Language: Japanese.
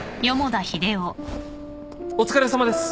お疲れさまです！